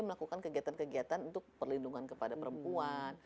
melakukan kegiatan kegiatan untuk perlindungan kepada perempuan